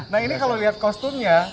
nah ini kalau lihat kostumnya